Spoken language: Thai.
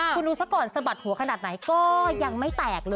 คุณดูซะก่อนสะบัดหัวขนาดไหนก็ยังไม่แตกเลย